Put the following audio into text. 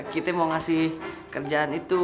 kita mau ngasih kerjaan itu